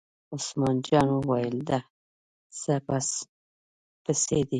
عثمان جان وویل: د څه پس پسي.